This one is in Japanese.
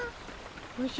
おじゃ？